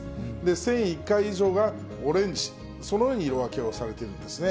１００１回以上がオレンジ、そのように色分けをされているんですね。